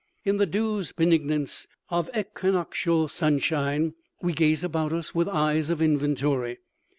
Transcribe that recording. In the douce benignance of equinoctial sunshine we gaze about us with eyes of inventory.